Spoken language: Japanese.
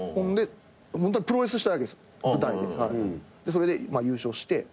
それで優勝して。